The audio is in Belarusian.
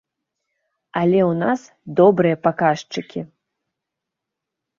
Але ў нас добрыя паказчыкі.